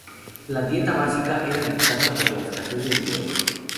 La dieta básica era dictada por la escasez de dinero.